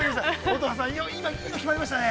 乙葉さん、いいの決まりましたね。